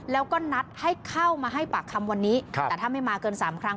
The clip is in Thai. แล้วก็นัดให้เข้ามาให้ปากคำวันนี้แต่ถ้าไม่มาเกิน๓ครั้ง